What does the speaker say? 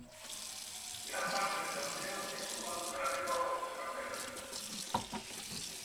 Gran parte del torneo es jugado en paralelo a estos campeonatos.